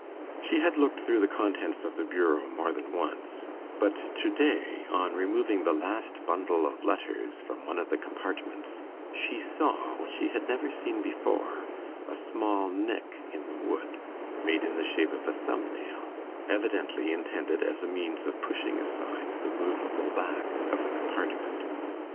She had looked through the contents of the bureau more than once; but to day, on removing the last bundle of letters from one of the compartments, she saw what she had never seen before, a small nick in the wood, made in the shape of a thumb nail, evidently intended as a means of pushing aside the movable back of the compartment.